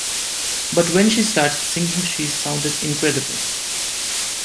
But when she started singing, she sounded incredible.